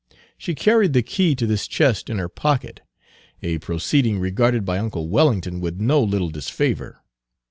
She carried the key to this chest in her pocket, a proceeding regarded by uncle Wellington with no little disfavor.